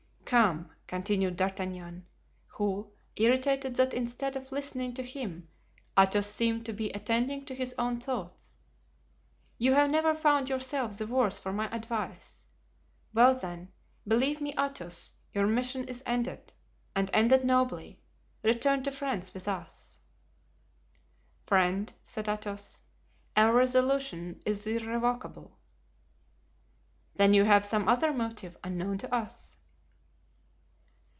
"Come," continued D'Artagnan, who, irritated that instead of listening to him Athos seemed to be attending to his own thoughts, "you have never found yourself the worse for my advice. Well, then, believe me, Athos, your mission is ended, and ended nobly; return to France with us." "Friend," said Athos, "our resolution is irrevocable." "Then you have some other motive unknown to us?"